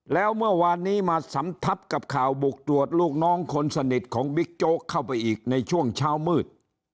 แล้วเมื่อวานนี้มาสำทับกับข่าวบุกตรวจลูกน้องคนสนิทของบิ๊กโจ๊กเข้าไปอีกในช่วงเช้ามืด